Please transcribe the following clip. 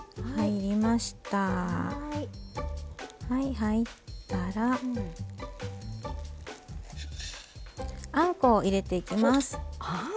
入ったらあんこを入れていきます。